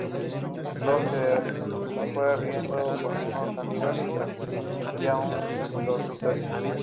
Lloyd se ve riendo con unos amigos mientras se sienta en un dormitorio.